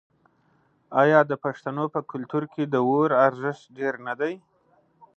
آیا د پښتنو په کلتور کې د اور ارزښت ډیر نه دی؟